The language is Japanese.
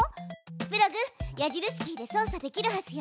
プログ矢印キーで操作できるはずよ。